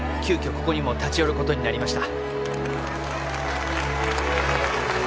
ここにも立ち寄ることになりました